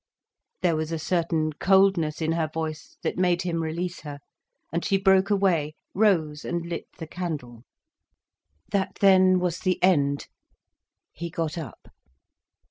There was a certain coldness in her voice that made him release her, and she broke away, rose and lit the candle. That then was the end. He got up.